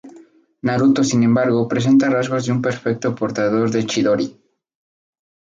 Naruto sin embargo presenta rasgos de un perfecto portador del Chidori.